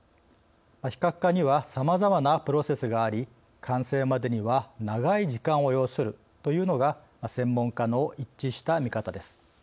非核化にはさまざまなプロセスがあり完成までには長い時間を要するというのが専門家の一致した見方です。